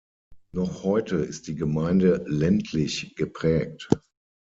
Noch heute ist die Gemeinde ländlich geprägt.